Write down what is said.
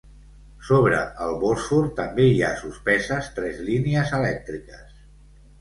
Sobre el Bòsfor també hi ha suspeses tres línies elèctriques.